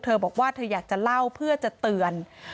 ตังค์อะไรอีก